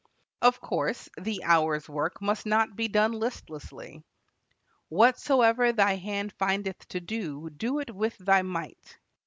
Of course, the hour's work must not be done listlessly. "Whatsoever thy hand findeth to do, do it with thy might."